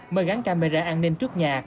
mời gắn camera an ninh trước nhà